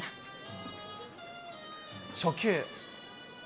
初球。